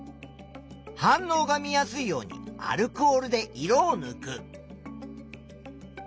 反応が見やすいようにアルコールで色をぬく。